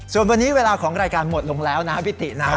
ส่วนวันนี้เวลาของรายการหมดลงแล้วนะครับพี่ตินะ